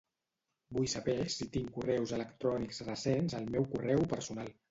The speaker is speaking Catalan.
Vull saber si tinc correus electrònics recents al meu correu personal.